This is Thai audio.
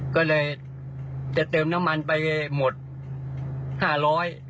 ก็เลยจะเติมน้ำมันไปหมด๕๐๐บาท